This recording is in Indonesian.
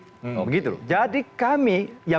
jadi kami ya beyond sekedar kebanyakan